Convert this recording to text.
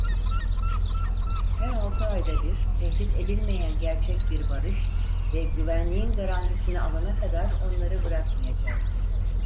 Her altı ayda bir tehdit edilmeyen gerçek bir barış ve güvenliğin garantisini alana kadar onları bırakmayacağız.